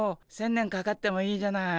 １，０００年かかってもいいじゃない。